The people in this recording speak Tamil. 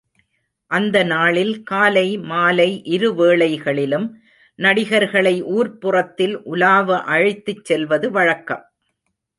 அந்த நாளில் காலை, மாலை, இருவேளைகளிலும் நடிகர்களை ஊர்ப்புறத்தில் உலாவ அழைத்துச் செல்வது வழக்கம்.